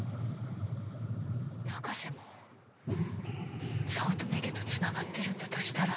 高瀬も早乙女家とつながってるんだとしたら。